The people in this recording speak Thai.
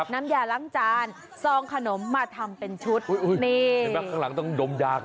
น้ำยาล้างจานซองขนมมาทำเป็นชุด